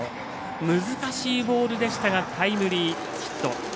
難しいボールでしたがタイムリーヒット。